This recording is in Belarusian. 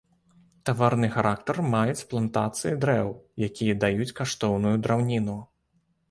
Таварны характар маюць плантацыі дрэў, якія даюць каштоўную драўніну.